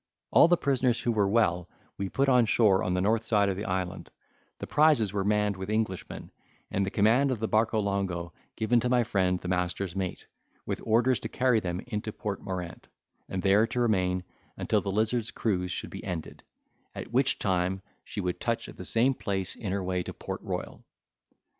All the prisoners who were well, we put onshore on the north side of the island; the prizes were manned with Englishmen, and the command of the barcolongo given to my friend the master's mate, with orders to carry them into Port Morant, and there to remain until the Lizard's cruise should be ended, at which time she would touch at the same place in her way to Port Royal.